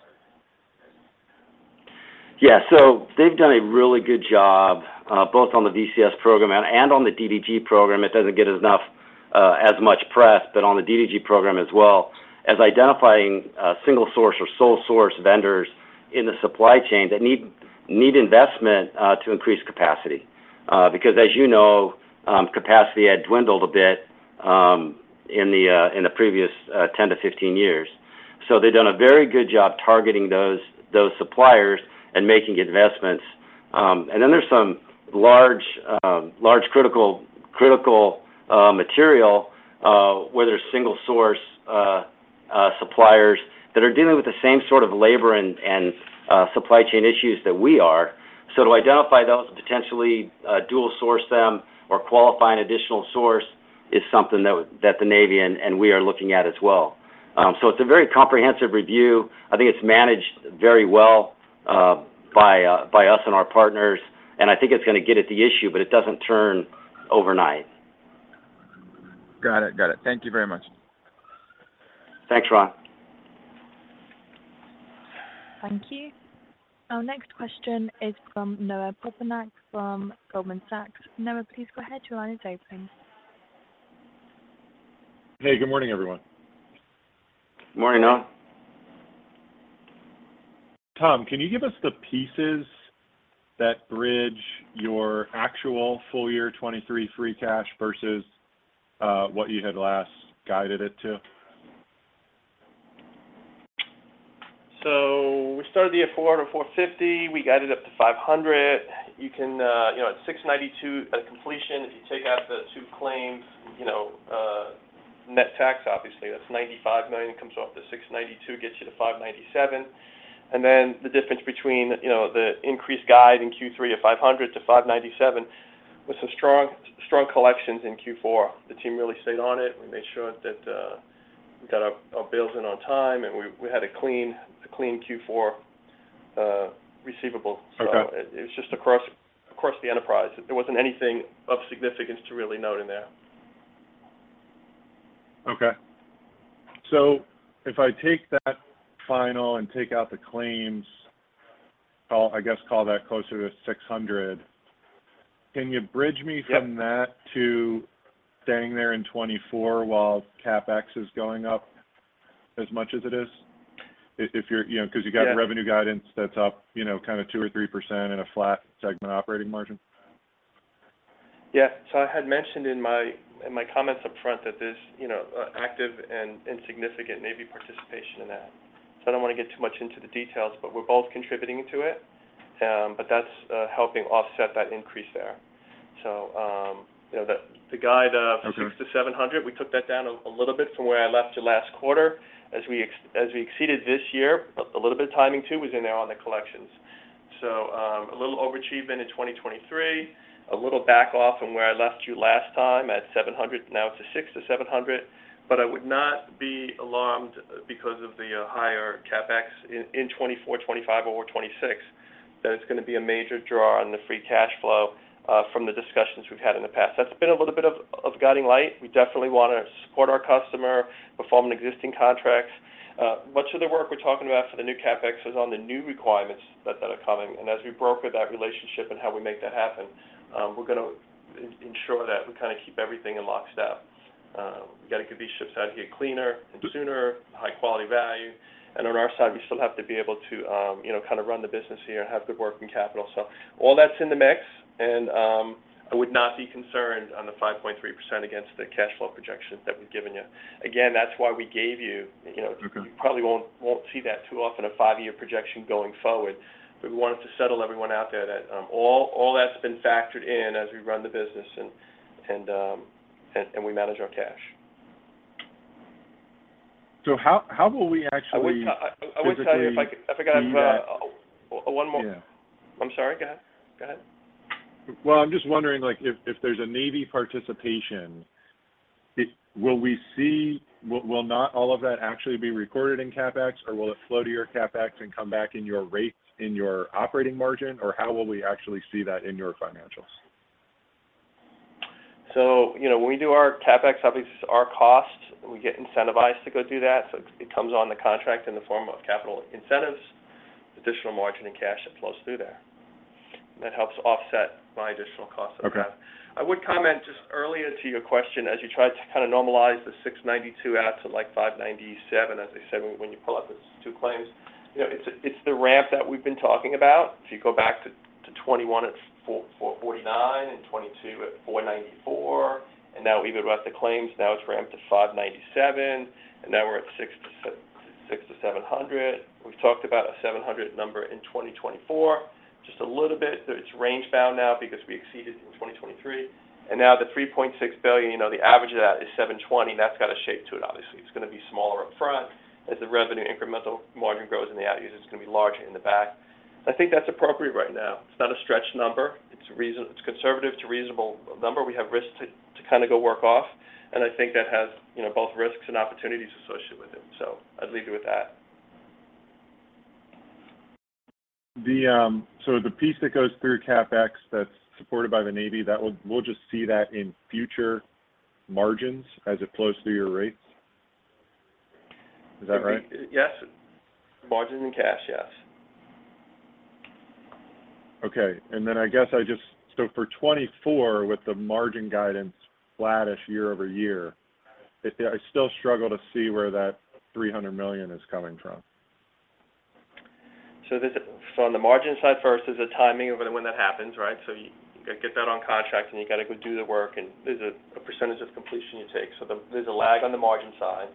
Yeah. So they've done a really good job both on the VCS program and on the DDG program. It doesn't get as much press, but on the DDG program as well as identifying single source or sole source vendors in the supply chain that need investment to increase capacity. Because as you know, capacity had dwindled a bit in the previous 10-15 years. So they've done a very good job targeting those suppliers and making investments. And then there's some large critical material where there's single source suppliers that are dealing with the same sort of labor and supply chain issues that we are. So to identify those and potentially dual source them or qualify an additional source is something that the Navy and we are looking at as well. So it's a very comprehensive review. I think it's managed very well by us and our partners, and I think it's going to get at the issue, but it doesn't turn overnight. Got it. Got it. Thank you very much. Thanks, Ron. Thank you. Our next question is from Noah Poponak, from Goldman Sachs. Noah, please go ahead. Your line is open. Hey, good morning, everyone. Morning, Noah. Tom, can you give us the pieces that bridge your actual full year 2023 free cash versus what you had last guided it to? So we started the year at $400 million-$450 million. We got it up to $500 million. You can, you know, at $692 million at completion, if you take out the two claims, you know, net tax, obviously, that's $95 million comes off the $692 million, gets you to $597 million. And then the difference between, you know, the increased guide in Q3 of $500 million-$597 million, with some strong, strong collections in Q4. The team really stayed on it. We made sure that, we got our, our bills in on time, and we, we had a clean, a clean Q4, receivable. Okay. So it was just across the enterprise. There wasn't anything of significance to really note in that. Okay. So if I take that final and take out the claims, I'll, I guess, call that closer to $600. Can you bridge me- Yep... from that to staying there in 2024 while CapEx is going up as much as it is? If, if you're, you know- Yeah... because you got revenue guidance, that's up, you know, kind of 2%-3% in a flat segment operating margin. Yeah. So I had mentioned in my comments up front that there's, you know, active and significant Navy participation in that. So I don't want to get too much into the details, but we're both contributing to it. But that's helping offset that increase there.... So, you know, the guide of $600-$700, we took that down a little bit from where I left you last quarter. As we exceeded this year, but a little bit timing, too, was in there on the collections. A little overachievement in 2023, a little back off from where I left you last time at $700 million, now it's $600 million-$700 million, but I would not be alarmed because of the higher CapEx in 2024, 2025, or 2026, that it's gonna be a major draw on the free cash flow from the discussions we've had in the past. That's been a little bit of guiding light. We definitely wanna support our customer, perform existing contracts. Much of the work we're talking about for the new CapEx is on the new requirements that are coming, and as we broker that relationship and how we make that happen, we're gonna ensure that we kinda keep everything in lockstep. We gotta get these ships out here cleaner and sooner, high-quality value, and on our side, we still have to be able to, you know, kind of run the business here and have good working capital. So all that's in the mix, and, I would not be concerned on the 5.3% against the cash flow projection that we've given you. Again, that's why we gave you, you know- Okay... you probably won't see that too often, a five-year projection going forward. But we wanted to settle everyone out there that all that's been factored in as we run the business and we manage our cash. How will we actually- I would te- physically- I would tell you, if I could- see that- I think I have one more- Yeah. I'm sorry, go ahead. Go ahead. Well, I'm just wondering, like, if there's a Navy participation, it... Will not all of that actually be recorded in CapEx, or will it flow to your CapEx and come back in your rates, in your operating margin, or how will we actually see that in your financials? So, you know, when we do our CapEx, obviously, it's our cost. We get incentivized to go do that, so it comes on the contract in the form of capital incentives, additional margin, and cash that flows through there. That helps offset my additional cost of that. Okay. I would comment just earlier to your question, as you tried to kind of normalize the $692 out to, like, $597, as I said, when you pull out the two claims, you know, it's the ramp that we've been talking about. If you go back to 2021, it's 499, and 2022 at 494, and now even without the claims, now it's ramped to $597, and now we're at $600-$700. We've talked about a $700 number in 2024. Just a little bit, but it's range-bound now because we exceeded in 2023. Now the $3.6 billion, you know, the average of that is $720. That's got a shape to it, obviously. It's gonna be smaller upfront. As the revenue incremental margin grows in the out years, it's gonna be larger in the back. I think that's appropriate right now. It's not a stretched number. It's reasonable. It's conservative to reasonable number. We have risks to kind of go work off, and I think that has, you know, both risks and opportunities associated with it. So I'd leave you with that. So the piece that goes through CapEx that's supported by the Navy, that will, we'll just see that in future margins as it flows through your rates? Is that right? Yes. Margins and cash, yes. Okay, and then I guess I just... So for 2024, with the margin guidance flattish year-over-year, I still struggle to see where that $300 million is coming from. So on the margin side first, there's a timing of it when that happens, right? So you get that on contract, and you gotta go do the work, and there's a percentage of completion you take. So there's a lag on the margin side.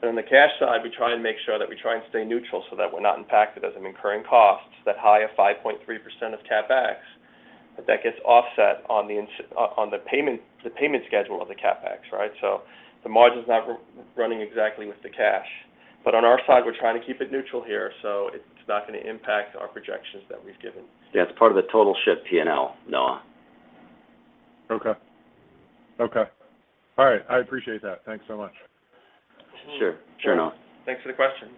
But on the cash side, we try and make sure that we stay neutral so that we're not impacted as we're incurring cost, that high of 5.3% of CapEx that gets offset on the inside, on the payment schedule of the CapEx, right? So the margin's not running exactly with the cash. But on our side, we're trying to keep it neutral, so it's not gonna impact our projections that we've given. Yeah, it's part of the total ship P&L, Noah. Okay. Okay. All right, I appreciate that. Thanks so much. Sure. Sure, Noah. Thanks for the question.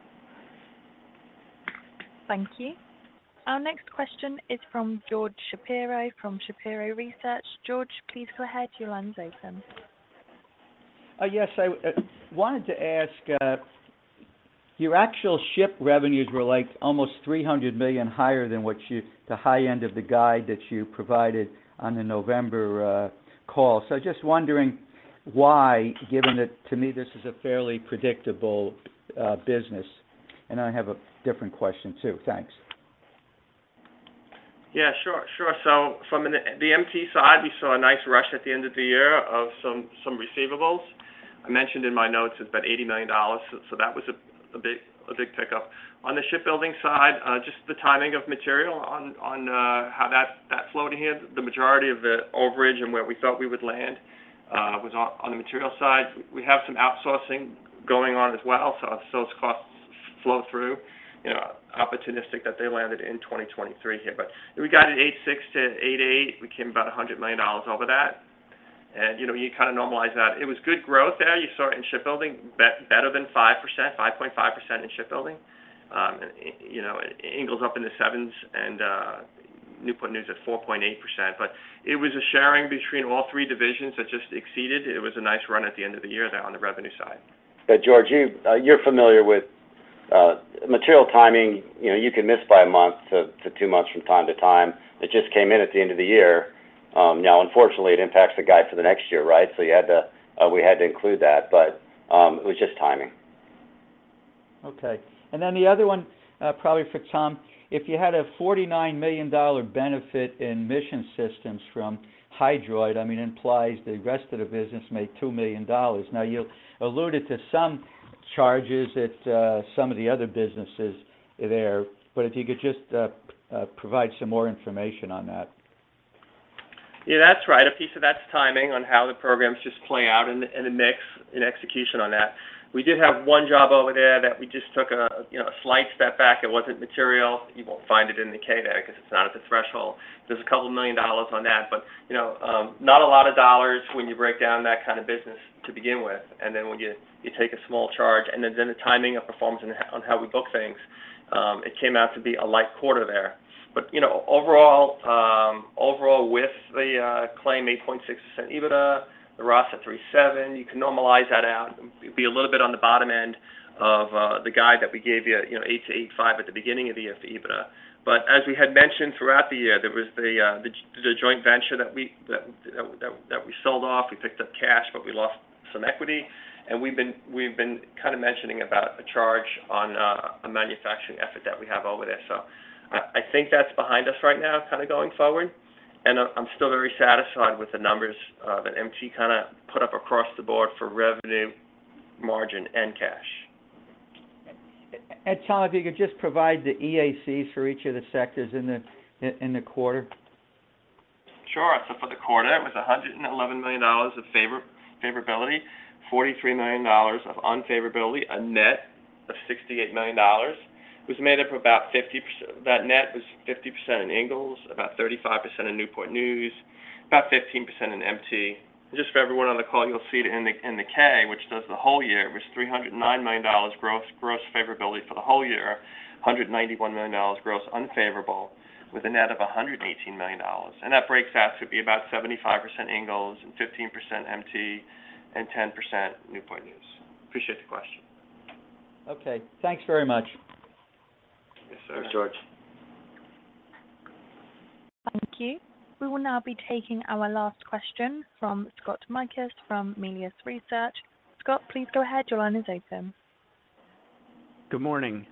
Thank you. Our next question is from George Shapiro from Shapiro Research. George, please go ahead. Your line's open. Yes, I wanted to ask, your actual ship revenues were, like, almost $300 million higher than what you, the high end of the guide that you provided on the November call. So just wondering why, given that, to me, this is a fairly predictable business. And I have a different question, too. Thanks. Yeah, sure. Sure. So from the MT side, we saw a nice rush at the end of the year of some receivables. I mentioned in my notes, it's about $80 million, so that was a big pickup. On the shipbuilding side, just the timing of material on how that flowed in. The majority of the overage and where we thought we would land was on the material side. We have some outsourcing going on as well, so those costs flow through, you know, opportunistic that they landed in 2023 here. But we guided $86 million-$88 million. We came about $100 million over that, and, you know, you kind of normalize that. It was good growth there. You saw it in shipbuilding, better than 5%, 5.5% in shipbuilding. You know, Ingalls up in the 7s and Newport News at 4.8%. But it was a sharing between all three divisions that just exceeded. It was a nice run at the end of the year there on the revenue side. But George, you're familiar with material timing. You know, you can miss by a month to two months from time to time. It just came in at the end of the year. Now, unfortunately, it impacts the guide for the next year, right? So you had to, we had to include that, but it was just timing. Okay. And then the other one, probably for Tom: If you had a $49 million benefit in mission systems from Hydroid, I mean, it implies the rest of the business made $2 million. Now, you alluded to some charges at some of the other businesses there, but if you could just provide some more information on that. Yeah, that's right. A piece of that's timing on how the programs just play out in the, in the mix, in execution on that. We did have one job over there that we just took a, you know, a slight step back. It wasn't material. You won't find it in the K there, 'cause it's not at the threshold. There's $2 million on that, but, you know, not a lot of dollars when you break down that kind of business to begin with. And then when you, you take a small charge, and then, then the timing of performance on, on how we book things, it came out to be a light quarter there. But, you know, overall, overall, with the claim 8.6% EBITDA, the ROS at 3.7% you can normalize that out. It'd be a little bit on the bottom end of the guide that we gave you, you know, 8% -8.5% at the beginning of the year for EBITDA. But as we had mentioned throughout the year, there was the joint venture that we sold off. We picked up cash, but we lost some equity. And we've been kind of mentioning about a charge on a manufacturing effort that we have over there. So I think that's behind us right now, kind of going forward, and I'm still very satisfied with the numbers that MT kind of put up across the board for revenue, margin, and cash. Tom, if you could just provide the EACs for each of the sectors in the quarter? Sure. So for the quarter, it was $111 million of favorability, $43 million of unfavorability, a net of $68 million. It was made up of about 50%... That net was 50% in Ingalls, about 35% in Newport News, about 15% in MT. Just for everyone on the call, you'll see it in the K, which does the whole year, it was $309 million gross favorability for the whole year, $191 million gross unfavorable, with a net of $118 million. And that breaks out to be about 75% Ingalls and 15% MT and 10% Newport News. Appreciate the question. Okay, thanks very much. Yes, sir. Thanks, George. Thank you. We will now be taking our last question from Scott Mikus, from Melius Research. Scott, please go ahead. Your line is open. Good morning.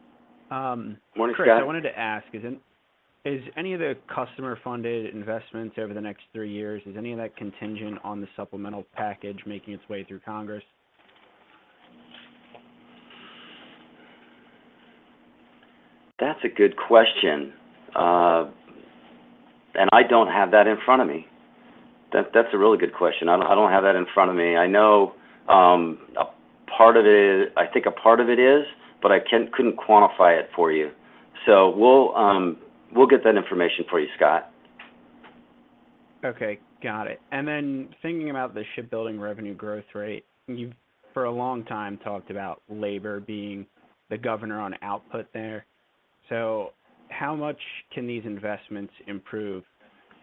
Good morning, Scott. Chris, I wanted to ask, is any of the customer-funded investments over the next three years, is any of that contingent on the supplemental package making its way through Congress? That's a good question. I don't have that in front of me. That's a really good question. I don't have that in front of me. I know a part of it. I think a part of it is, but I couldn't quantify it for you. So we'll get that information for you, Scott. Okay, got it. And then thinking about the shipbuilding revenue growth rate, you've for a long time talked about labor being the governor on output there. So how much can these investments improve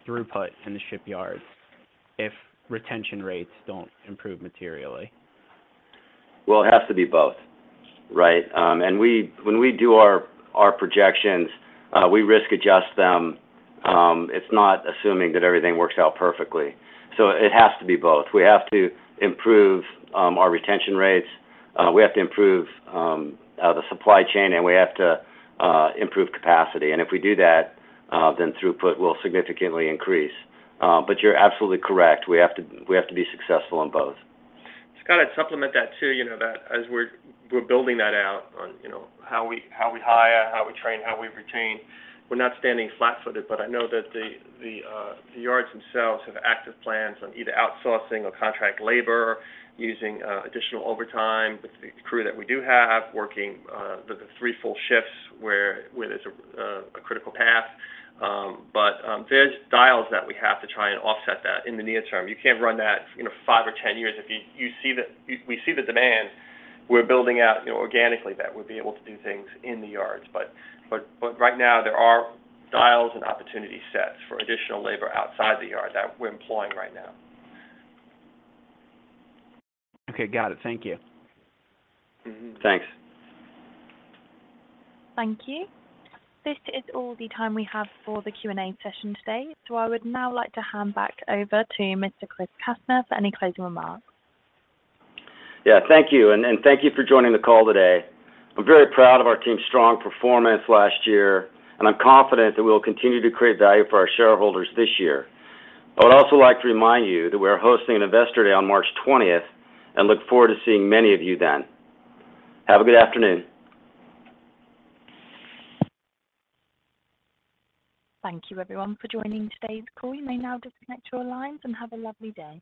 throughput in the shipyards if retention rates don't improve materially? Well, it has to be both, right? And when we do our projections, we risk adjust them. It's not assuming that everything works out perfectly. So it has to be both. We have to improve our retention rates, we have to improve the supply chain, and we have to improve capacity. And if we do that, then throughput will significantly increase. But you're absolutely correct. We have to, we have to be successful in both. To kind of supplement that, too, you know, that as we're building that out on, you know, how we hire, how we train, how we retain. We're not standing flat-footed, but I know that the yards themselves have active plans on either outsourcing or contract labor, using additional overtime with the crew that we do have, working the three full shifts where there's a critical path. But there's dials that we have to try and offset that in the near term. You can't run that, you know, five or 10 years. If you see the... we see the demand, we're building out, you know, organically, that we'll be able to do things in the yards. But right now, there are dials and opportunity sets for additional labor outside the yard that we're employing right now. Okay, got it. Thank you. Mm-hmm. Thanks. Thank you. This is all the time we have for the Q&A session today, so I would now like to hand back over to Mr. Chris Kastner for any closing remarks. Yeah, thank you, and thank you for joining the call today. I'm very proud of our team's strong performance last year, and I'm confident that we will continue to create value for our shareholders this year. I would also like to remind you that we are hosting an investor day on March 20, and look forward to seeing many of you then. Have a good afternoon. Thank you, everyone, for joining today's call. You may now disconnect your lines and have a lovely day.